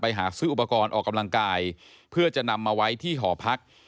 หาซื้ออุปกรณ์ออกกำลังกายเพื่อจะนำมาไว้ที่หอพัก